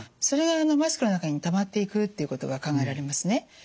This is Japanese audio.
それがマスクの中にたまっていくということが考えられますね。